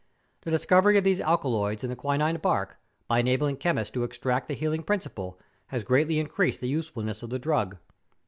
The discovery of these alkaloids in the quin¬ quina bark, by enabling chemists to extract the healing principle has greatly increased the usefulness of the drug.